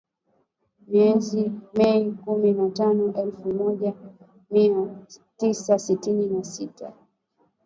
Mwezi Mei, kumi na tano ,elfu moja mia tisa sitini na sita